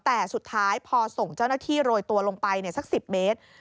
แต่สุดท้ายพอส่งเจ้าหน้าที่โรยตัวลงไปสัก๑๐เมตร